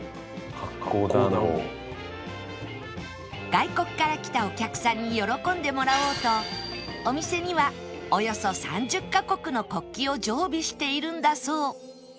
外国から来たお客さんに喜んでもらおうとお店にはおよそ３０カ国の国旗を常備しているんだそう